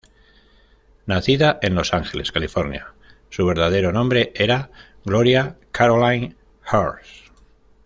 Nacida en Los Ángeles, California, su verdadero nombre era Gloria Carolyn Hirst.